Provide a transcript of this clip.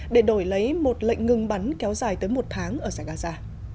để đổi lấy một lệnh ngừng bắn kéo dài tới một tháng ở giải gaza